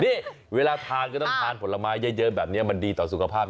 นี่เวลาทานก็ต้องทานผลไม้เยอะแบบนี้มันดีต่อสุขภาพ